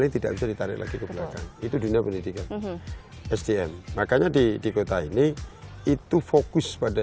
tidak bisa ditarik lagi ke belakang itu dunia pendidikan sdm makanya di di kota ini itu fokus pada